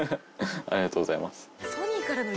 ありがとうございます。